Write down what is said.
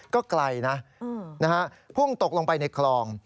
ก็ไกลนะพุ่งตกลงไปในคลอง